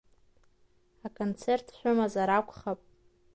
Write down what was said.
Аконцерт шәымазар акәхап?